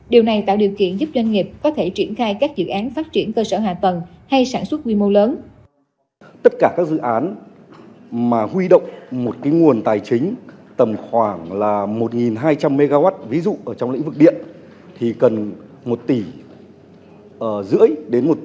điều này tạo điều kiện giúp doanh nghiệp có thể triển khai các dự án phát triển cơ sở hạ tầng hay sản xuất quy mô lớn